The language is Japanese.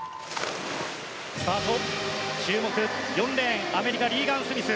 注目、４レーンアメリカのリーガン・スミス。